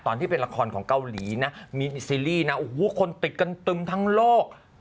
ตอนที่เป็นละครของเกาหลีนะมีซีรีส์นะโอ้โหคนติดกันตึงทั้งโลก